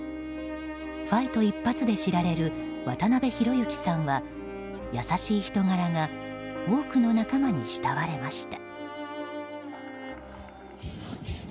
ファイト一発で知られる渡辺裕之さんは優しい人柄が多くの仲間に慕われました。